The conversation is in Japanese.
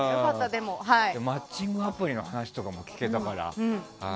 マッチングアプリの話とかも聞けたから。